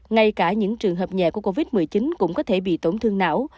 ngay cả những trường hợp nhẹ của covid một mươi chín cũng có thể bị tổn thương não